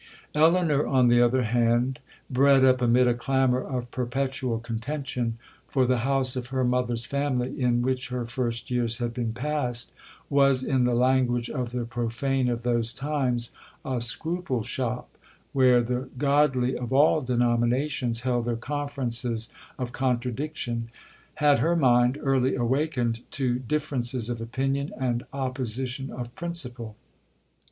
'Elinor, on the other hand, bred up amid a clamour of perpetual contention,—for the house of her mother's family, in which her first years had been passed, was, in the language of the profane of those times, a scruple shop, where the godly of all denominations held their conferences of contradiction,—had her mind early awakened to differences of opinion, and opposition of principle.